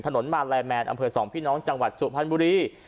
มาลัยแมนอำเภอสองพี่น้องจังหวัดสุพรรณบุรี